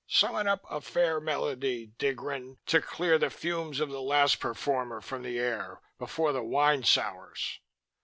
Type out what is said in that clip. Summon up a fair melody, Dgron, to clear the fumes of the last performer from the air before the wine sours."